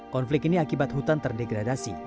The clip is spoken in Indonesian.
konflik ini akibat hutan terdegradasi